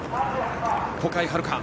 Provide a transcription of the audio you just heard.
小海遥。